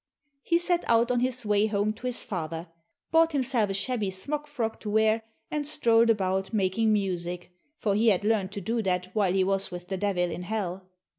He set out on his way home to his father, bought himself a shabby smock frock to wear, and strolled about making music, for he had learned to do that while he was with the Devil in hell.